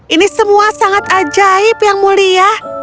ini semua sangat ajaib yang mulia